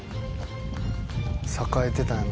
「栄えてたんやな」